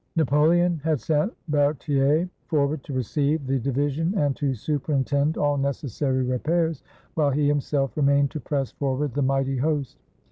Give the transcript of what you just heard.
Napoleon had sent Berthier forward to receive the division and to superintend all necessary repairs, while he himself remained to press forward the mighty host.